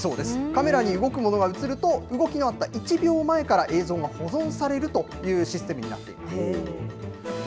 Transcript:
カメラに動くものが写ると、動きのあった１秒前から映像が保存されるというシステムになっています。